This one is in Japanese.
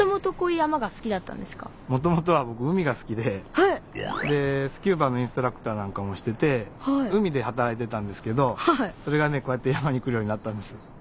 えっ！？でスキューバのインストラクターなんかもしてて海で働いてたんですけどそれがねこうやって山に来るようになったんです。